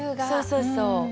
そうそうそう。